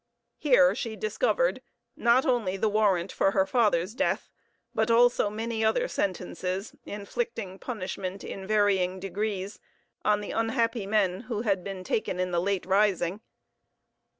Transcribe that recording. Here she discovered, not only the warrant for her father's death, but also many other sentences inflicting punishment in varying degrees on the unhappy men who had been taken in the late rising.